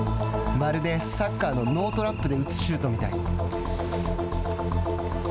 まるでサッカーのノートラップで打つシュートみたい。